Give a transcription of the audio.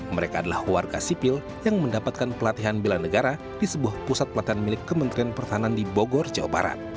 mereka adalah warga sipil yang mendapatkan pelatihan bela negara di sebuah pusat pelatihan milik kementerian pertahanan di bogor jawa barat